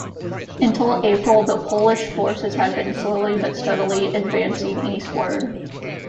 Until April, the Polish forces had been slowly but steadily advancing eastward.